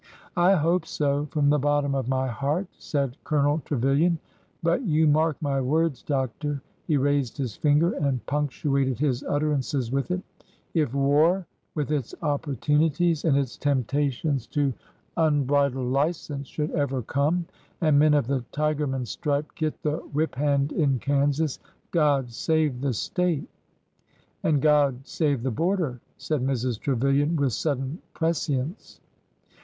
" I hope so, from the bottom of my heart," said Colo nel Trevilian. But yon mark my zvords, Doctor,"— he raised his finger and punctuated his utterances with it, —'' if war, with its opportunities and its temptations to un II2 ORDER NO. 11 bridled license, should ever come, and men of the Tiger man stripe get the whip hand in Kansas — God save the State! '''' And God save the border! '' said Mrs. Trevilian, with sudden prescience.